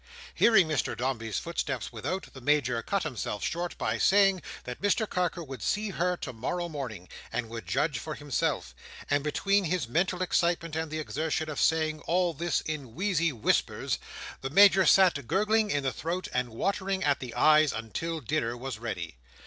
Hearing Mr Dombey's footsteps without, the Major cut himself short by saying, that Mr Carker would see her tomorrow morning, and would judge for himself; and between his mental excitement, and the exertion of saying all this in wheezy whispers, the Major sat gurgling in the throat and watering at the eyes, until dinner was ready.